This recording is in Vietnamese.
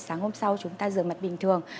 sáng hôm sau chúng ta rửa mặt bình thường